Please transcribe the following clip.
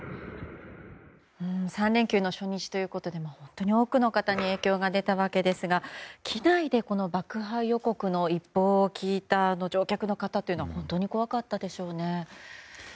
３連休の初日ということで本当に多くの方に影響が出たわけですが機内で爆破予告の一報を聞いた乗客の方は本当に怖かったでしょうね。